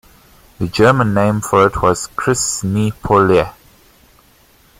The German name for it was Krisnipolye.